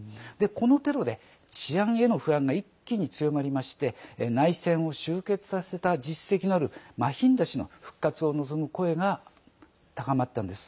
このテロで治安への不安が一気に強まりまして内戦を終結させた実績のあるマヒンダ氏の復活を望む声が高まったんです。